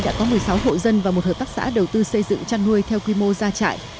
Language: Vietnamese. đã có một mươi sáu hộ dân và một hợp tác xã đầu tư xây dựng chăn nuôi theo quy mô ra trại